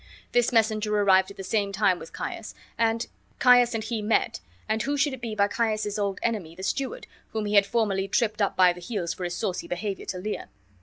This messenger arrived at the same time with Caius, and Caius and he met, and who should it be but Caius's old enemy the steward, whom he had formerly tripped up by the heels for his saucy behavior to Lear.